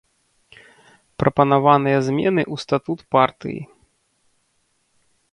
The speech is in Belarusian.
Прапанаваныя змены ў статут партыі.